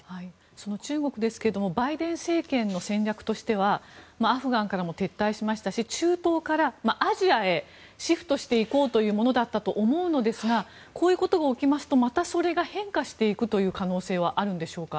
その中国ですがバイデン政権の戦略としてはアフガンからも撤退しましたし中東からアジアへシフトしていこうというものだったと思うのですがこういうことが起きますとまたそれが変化していく可能性はあるんでしょうか。